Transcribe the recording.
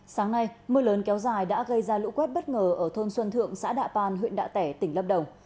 sáng nay mưa lớn kéo dài đã gây ra lũ quét bất ngờ ở thôn xuân thượng xã đạ pan huyện đạ tẻ tỉnh lâm đồng